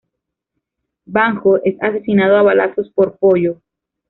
Banjo es asesinado a balazos por Pollo.